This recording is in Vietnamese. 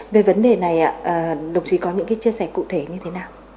về vấn đề này đồng chí có những chia sẻ cụ thể như thế nào